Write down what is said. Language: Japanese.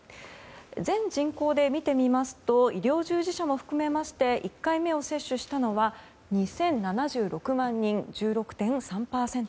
全人口で見てみますと医療従事者も含めまして１回目を接種したのは２０７６万人、１６．３％。